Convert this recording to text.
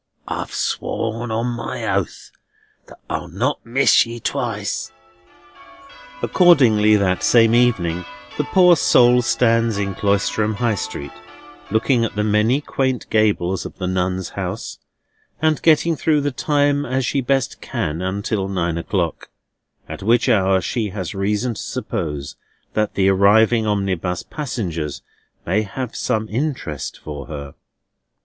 I've swore my oath that I'll not miss ye twice!" Accordingly, that same evening the poor soul stands in Cloisterham High Street, looking at the many quaint gables of the Nuns' House, and getting through the time as she best can until nine o'clock; at which hour she has reason to suppose that the arriving omnibus passengers may have some interest for her.